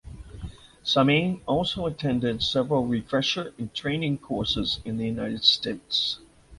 Sami also attended several refresher and training courses in the United States.